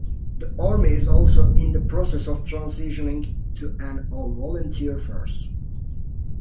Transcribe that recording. The Army is also in the process of transitioning to an all volunteer force.